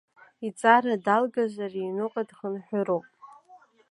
Иҵара далгазар иҩныҟа дхынҳәыроуп.